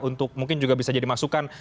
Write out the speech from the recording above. untuk mungkin juga bisa jadi masukan